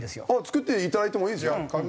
作っていただいてもいいですよ。